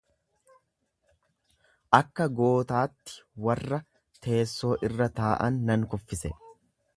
Akka gootaatti warra teessoo irra taa'an nan kuffise.